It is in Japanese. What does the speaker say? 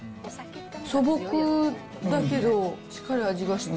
素朴だけど、しっかり味がして。